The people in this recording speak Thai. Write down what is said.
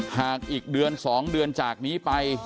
หากอีกเดือน๒เดือนจากนี้ไป